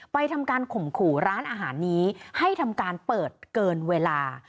ทำการข่มขู่ร้านอาหารนี้ให้ทำการเปิดเกินเวลา